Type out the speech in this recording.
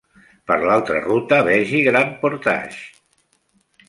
Per l'altra ruta vegi Grand Portage.